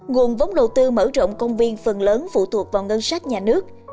nguồn vốn đầu tư mở rộng công viên phần lớn phụ thuộc vào ngân sách nhà nước